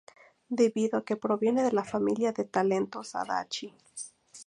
Debido a que proviene de la familia de talentos Adachi.